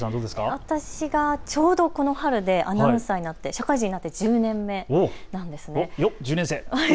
私はちょうどこの春でアナウンサーになって、社会人になって１０年目なんです。